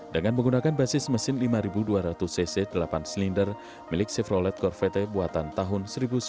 dengan menggunakan basis mesin lima ribu dua ratus cc delapan silinder milik chevrolet corvette buatan tahun seribu sembilan ratus delapan puluh enam